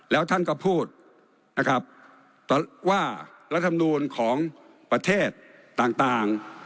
แล้วท่านก็พูดนะครับว่ารัฐมนูลของประเทศต่าง